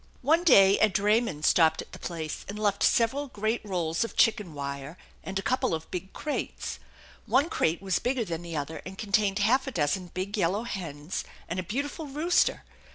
One day a drayman stopped at the place and left several great rolls of chicken wire, and a couple of big crates. One crate was bigger than the other and contained half a dozen big yellow hens and a beautiful rooster.